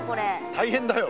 大変だよ。